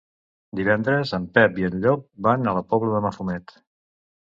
Divendres en Pep i en Llop van a la Pobla de Mafumet.